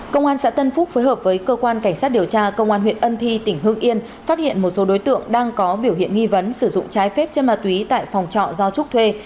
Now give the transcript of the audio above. công an xã tân phúc phối hợp với cơ quan cảnh sát điều tra công an huyện ân thi tỉnh hương yên phát hiện một số đối tượng đang có biểu hiện nghi vấn sử dụng trái phép chân ma túy tại phòng trọ do trúc thuê